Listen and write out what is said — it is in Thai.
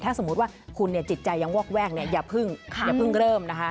ถ้าสมมุติว่าคุณจิตใจยังวอกแวกอย่าเพิ่งเริ่มนะคะ